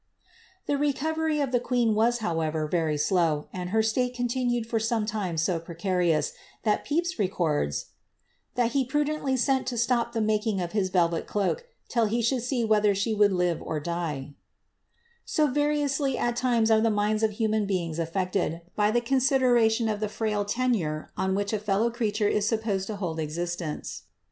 '* The recovery of the queen was, however, very slow, and her state continued for a time so precarious, that Pepys records ^ that he pmdeii tially sent to stop the making of his velvet cloak, till he should see whether she would live or dic/^ So varioui^Iy at times are the minds of human beings affected, by the consideration of the frail tenure on which a fellow creature is supposed to hold existence.